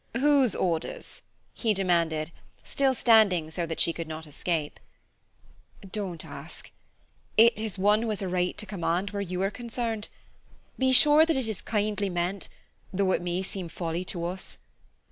"Whose orders?" he demanded, still standing so that she could not escape. "Don't ask; it is one who has a right to command where you are concerned. Be sure that it is kindly meant, though it may seem folly to us.